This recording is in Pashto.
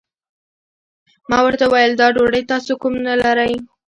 ما ورته وويل دا ډوډۍ تاسو کوم نه لرئ؟